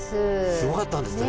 すごかったんですってね。